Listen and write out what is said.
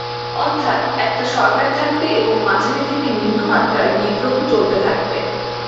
অর্থাৎ, একটা সরকার থাকবে এবং মাঝারি থেকে নিম্ন মাত্রায় বিদ্রোহ চলতে থাকবে।